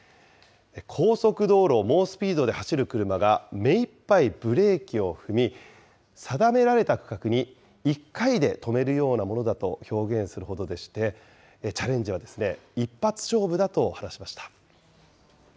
高速道路を猛スピードで走る車が目いっぱいブレーキを踏み、定められた区画に１回で止めるようなものだと表現するほどでして、チャレンジは一発勝負だと話しました。